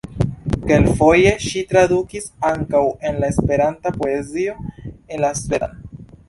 Kelkfoje ŝi tradukis ankaŭ el la Esperanta poezio en la svedan.